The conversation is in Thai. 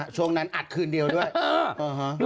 ช่องนั้นอาจคืน๑ด้วย